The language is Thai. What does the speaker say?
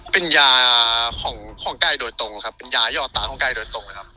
เป็นยาของของไก่โดยตรงครับเป็นยาย่อตาของไก่โดยตรงนะครับ